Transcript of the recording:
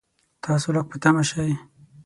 تاسو لږ په طمعه شئ.